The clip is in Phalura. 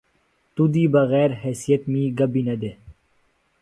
توۡ دی بغیرحیثیت می گہ بیۡ نہ دےۡ۔